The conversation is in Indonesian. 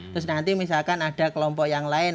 terus nanti misalkan ada kelompok yang lain